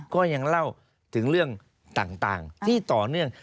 ก็ยังเล่าถึงเรื่องต่างที่ต่อเนื่อง